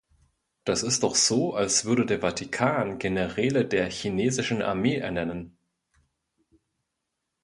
Das ist doch so, als würde der Vatikan Generäle der chinesischen Armee ernennen.